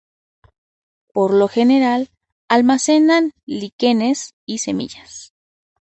Por lo general almacenan líquenes y semillas.